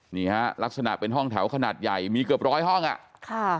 นี่ฮะลักษณะเป็นห้องแถวขนาดใหญ่มีเกือบร้อยห้องอ่ะค่ะ